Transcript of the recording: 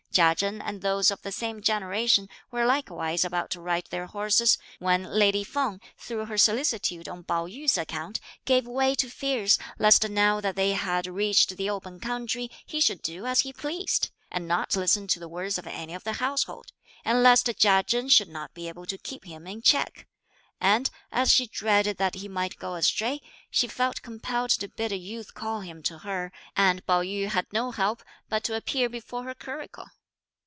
Chia Chen and those of the same generation were likewise about to ride their horses, when lady Feng, through her solicitude on Pao yü's account, gave way to fears lest now that they had reached the open country, he should do as he pleased, and not listen to the words of any of the household, and lest Chia Chen should not be able to keep him in check; and, as she dreaded that he might go astray, she felt compelled to bid a youth call him to her; and Pao yü had no help but to appear before her curricle.